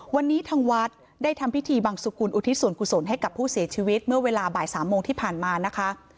วันนี้ทางวัดได้ทำพิธีบังสุกุลอุทิศส่วนกุศลให้กับผู้เสียชีวิตเมื่อเวลาบ่าย๓โมงที่ผ่านมานะคะ